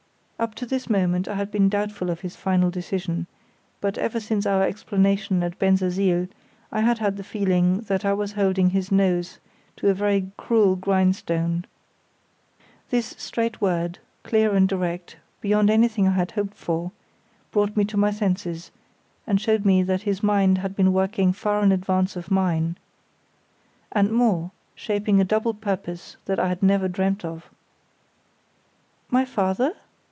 Up to this moment I had been doubtful of his final decision; for ever since our explanation at Bensersiel I had had the feeling that I was holding his nose to a very cruel grindstone. This straight word, clear and direct, beyond anything I had hoped for, brought me to my senses and showed me that his mind had been working far in advance of mine; and more, shaping a double purpose that I had never dreamt of. "My father?"